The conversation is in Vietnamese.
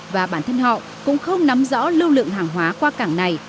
và bản thân họ cũng không nắm rõ lưu lượng hàng hóa qua cảng này